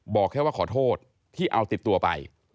บอกแค่ว่าขอโทษที่เอาติดตัวไป